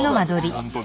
本当に。